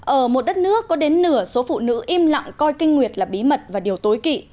ở một đất nước có đến nửa số phụ nữ im lặng coi kinh nguyệt là bí mật và điều tối kỵ